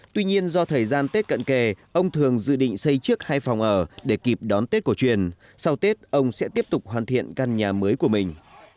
tuy nhiên do thời gian tết cận kề ông thường dự định xây trước hai phòng ở để kịp đón tết cổ truyền sau tết ông sẽ tiếp tục hoàn thiện căn nhà mới của mình